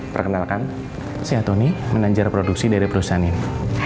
perkenalkan saya tony menanjar produksi dari perusahaan ini